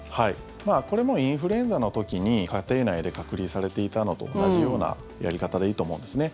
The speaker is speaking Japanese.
これもインフルエンザの時に家庭内で隔離されていたのと同じようなやり方でいいと思うんですね。